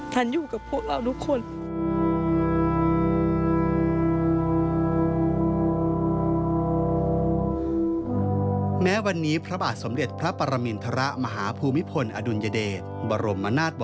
ทุกคนจะปลอดภัย